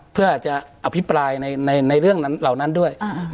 เพื่อจะอภิปรายในเรื่องเหล่านั้นด้วย